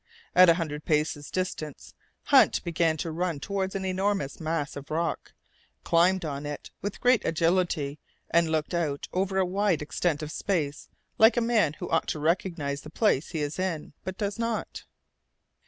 At a hundred paces' distance Hunt began to run towards an enormous mass of rock, climbed on it with great agility, and looked out over a wide extent of space like a man who ought to recognize the place he is in, but does not.